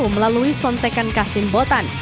melalui sontekan kasim botan